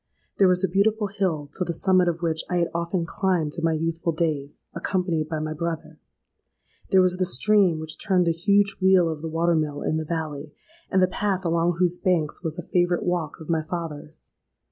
There was a beautiful hill to the summit of which I had often climbed in my youthful days, accompanied by my brother. There was the stream which turned the huge wheel of the water mill in the valley, and the path along whose banks was a favourite walk of my father's.